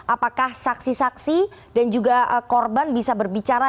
apakah saksi saksi dan juga korban bisa berbicara